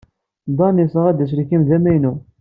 Dan yesɣa-d aselkim d amaynu.